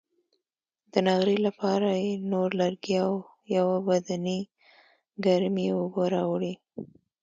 د نغري لپاره یې نور لرګي او یوه بدنۍ ګرمې اوبه راوړې.